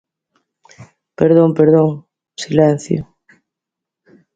Perdón, perdón, silencio.